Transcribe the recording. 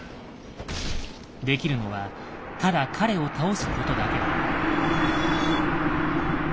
できるのはただ彼を倒すことだけだ。